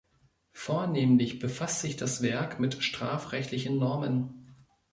Vornehmlich befasst sich das Werk mit strafrechtlichen Normen.